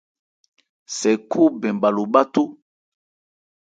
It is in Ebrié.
Sɛ khó bɛn bha lo bháthó.